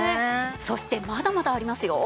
そしてまだまだありますよ。